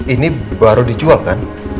ini baru dijual kan